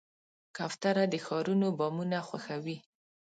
کوتره د ښارونو بامونه خوښوي.